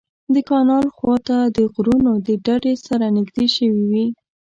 د کانال خوا ته د غرونو ډډې سره نږدې شوې وې.